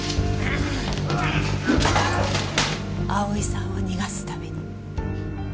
蒼さんを逃がすために。